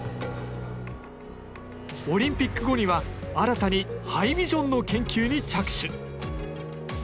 オリンピック後には新たにハイビジョンの研究に着手。